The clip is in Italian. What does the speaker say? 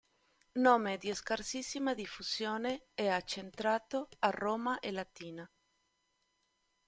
Nome di scarsissima diffusione, è accentrato a Roma e Latina.